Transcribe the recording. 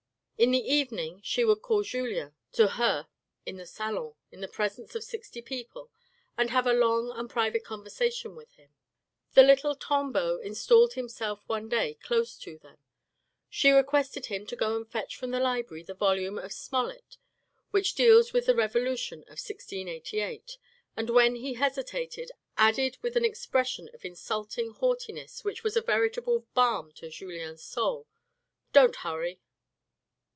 In the evening she would call Julien to her in the salon in the presence of sixty people, and have a long and private conversation with him. The little Tanbeau installed himself one day close to them. She requested him to go and fetch from the library the 442 THE RED AND THE BLACK volume of Smollet which deals with the revolution of 1688, and when he hesitated, added with an expression of insulting haughtiness, which was a veritable balm to Julien's soul, " Don't hurry."